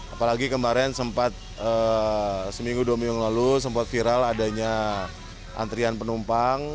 apalagi kemarin sempat seminggu dua minggu lalu sempat viral adanya antrian penumpang